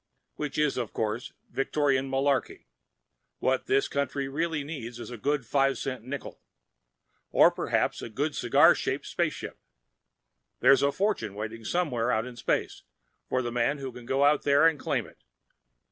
Which is, of course, Victorian malarkey. What this country really needs is a good five cent nickel. Or perhaps a good cigar shaped spaceship. There's a fortune waiting somewhere out in space for the man who can go out there and claim it.